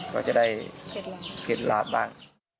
ก็จะได้เก็ดหลาบบ้าง